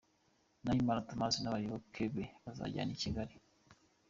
Nahimana Tomas n’abayoboke be bazajyana i Kigali